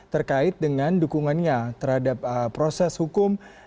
terkait dengan dukungannya terhadap proses hukum